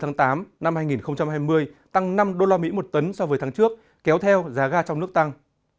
tháng tám năm hai nghìn hai mươi tăng năm usd một tấn so với tháng trước kéo theo giá ga trong nước tăng